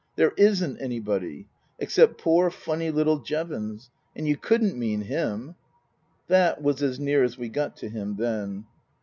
" There isn't anybody. Except poor, funny little Jevons. And you couldn't mean him." That was as near as we got to him then.